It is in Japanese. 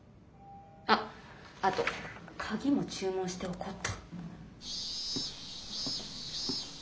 あっあと鍵も注文しておこうっと。